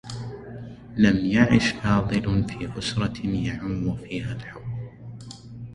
لم يعِش فاضل في أسرة يعمّ فيها الحبّ.